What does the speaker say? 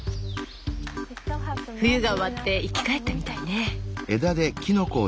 冬が終わって生き返ったみたいね。